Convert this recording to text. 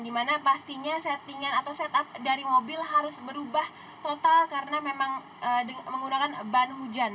dimana pastinya settingan atau setup dari mobil harus berubah total karena memang menggunakan ban hujan